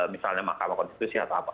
misalnya mahkamah konstitusi atau apa